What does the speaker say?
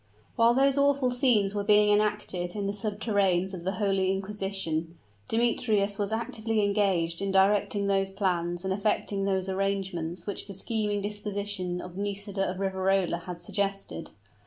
While these awful scenes were being enacted in the subterranes of the holy inquisition, Demetrius was actively engaged in directing those plans and effecting those arrangements which the scheming disposition of Nisida of Riverola had suggested.